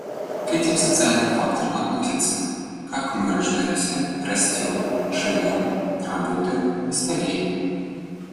К этим социальным факторам относится: как мы рождаемся, растем, живем, работаем и стареем.